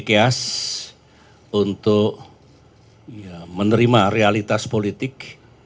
saya berhasil untuk menerima realitas politik